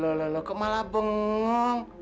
lho lho lho kok malah bengong